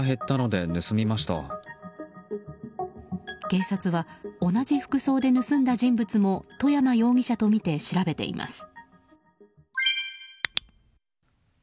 警察は同じ服装で盗んだ人物も外山容疑者とみて調べています。